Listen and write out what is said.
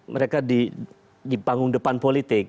mereka di panggung depan politik